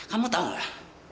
kamu tahu gak